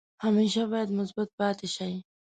همیشه باید مثبت پاتې شئ.